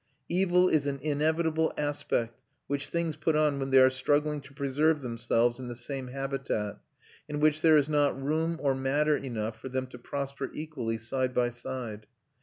Evil is an inevitable aspect which things put on when they are struggling to preserve themselves in the same habitat, in which there is not room or matter enough for them to prosper equally side by side.